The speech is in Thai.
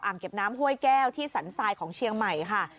เก็บน้ำห้วยแก้วที่สันทรายของเชียงใหม่ค่ะ